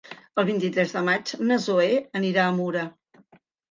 El vint-i-tres de maig na Zoè anirà a Mura.